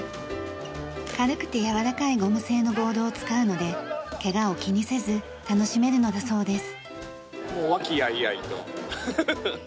軽くてやわらかいゴム製のボールを使うのでケガを気にせず楽しめるのだそうです。